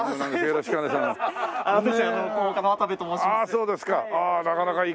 よろしくお願いします。